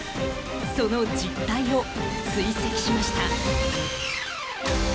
その実態を追跡しました。